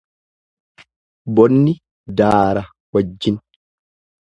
Boonni daara wajjin.